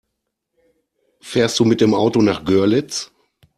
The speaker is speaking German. Fährst du mit dem Auto nach Görlitz?